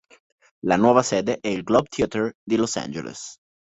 La nuova sede è il Globe Theatre di Los Angeles.